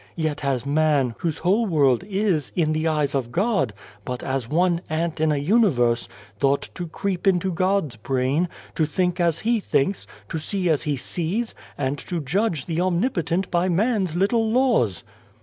Yet has man, whose whole world is, in the eyes of God, but as one ant in a uni verse, thought to creep into God's brain, to think as He thinks, to see as He sees, and to judge the Omnipotent by man's little laws.